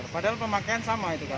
padahal pemakaian sama itu kan